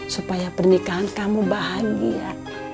supaya pernikahan kamu bahagia